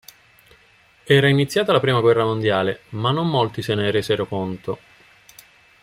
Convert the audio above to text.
Era iniziata la prima guerra mondiale, ma non molti se ne resero conto.